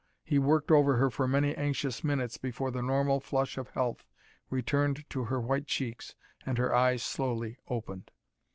He worked over her for many anxious minutes before the normal flush of health returned to her white cheeks and her eyes slowly opened.